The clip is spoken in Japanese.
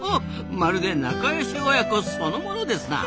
まるで仲良し親子そのものですなあ！